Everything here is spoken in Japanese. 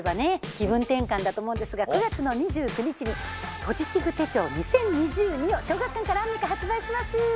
気分転換だと思うんですが９月の２９日に「ポジティブ手帳２０２２」を小学館からアンミカ発売します